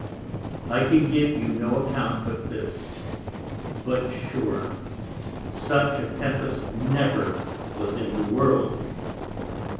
I can give you no Account but this; but sure such a Tempest never was in the World.